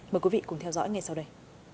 mời quý vị cùng theo dõi ngay sau đây